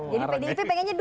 jadi pdip pengennya dua